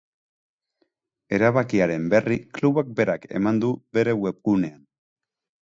Erabakiaren berri klubak berak eman du bere webgunean.